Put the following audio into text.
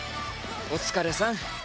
お疲れさん。